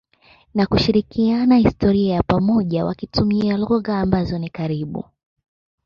na kushirikiana historia ya pamoja wakitumia lugha ambazo ni karibu.